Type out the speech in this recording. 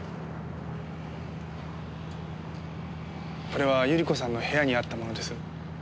これは百合子さんの部屋にあったものです。